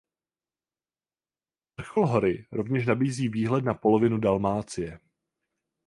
Vrchol hory rovněž nabízí výhled na polovinu Dalmácie.